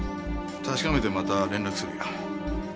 確かめてまた連絡するよ。